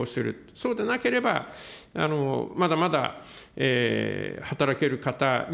そうでなければ、まだまだ働ける方に、